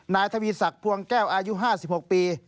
นายทวีสักภวงแก้วอายุ๕๖ปี